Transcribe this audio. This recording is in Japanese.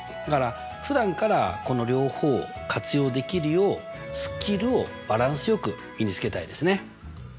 だからふだんからこの両方を活用できるようスキルをバランスよく身につけたいですね！